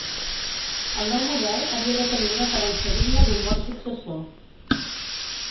El nou model havia de tenir una aparença digna d'un bon successor.